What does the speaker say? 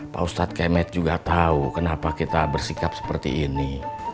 pak ustadz kemet juga tahu kenapa kita bersikap seperti ini